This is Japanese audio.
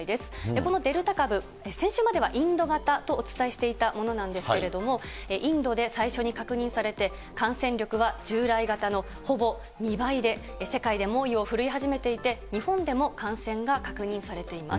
このデルタ株、先週まではインド型とお伝えしていたものなんですけれども、インドで最初に確認されて、感染力は従来型のほぼ２倍で、世界で猛威を振るい始めていて、日本でも感染が確認されています。